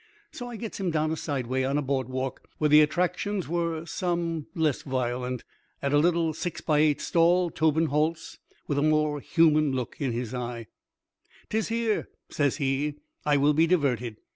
So I gets him down a side way on a board walk where the attractions were some less violent. At a little six by eight stall Tobin halts, with a more human look in his eye. "'Tis here," says he, "I will be diverted.